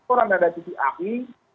orang yang ada titik api